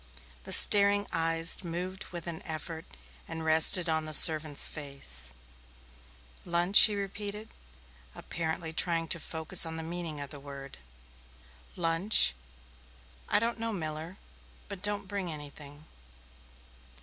The staring eyes moved with an effort and rested on the servant's face. "Lunch?" he repeated, apparently trying to focus on the meaning of the word. "Lunch? I don't know, Miller. But don't bring anything."